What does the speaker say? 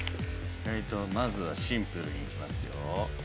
まずはシンプルにいきますよ。